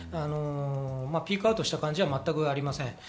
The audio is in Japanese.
ピークアウトした感じは全くありません。